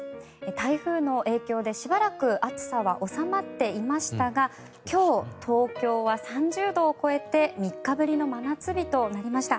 台風の影響で、しばらく暑さは収まっていましたが今日、東京は３０度を超えて３日ぶりの真夏日となりました。